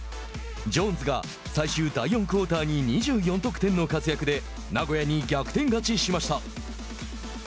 ジョーンズが最終第４クオーターに２４得点の活躍で名古屋に逆転勝ちしました。